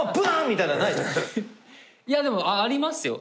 いやでもありますよ。